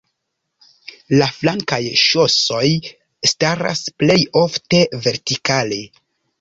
La flankaj ŝosoj staras plej ofte vertikale.